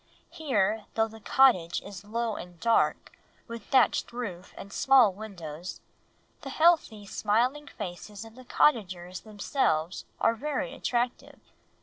Here, though the cottage is low and dark, with thatched roof and small windows, the healthy, smiling faces of the cottagers themselves are very attractive.